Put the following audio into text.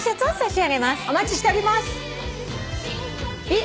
お待ちしております。